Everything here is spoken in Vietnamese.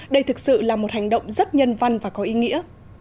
đây thực sự là một hành động rất nhân văn và có ý nghĩa